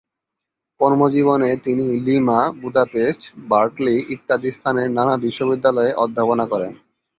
কর্মজীবনে তিনি Lima, Budapest, Berkeley ইত্যাদি স্থানের নানা বিশ্ববিদ্যালয়ে অধ্যাপনা করেন।